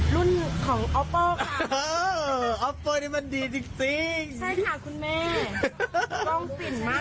รุ่นของค่ะเออนี่มันดีจริงจริงใช่ค่ะคุณแม่ค่ะลูกค้าก็หาแกงน้ำส้ม